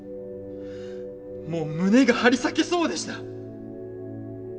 もう胸が張り裂けそうでした！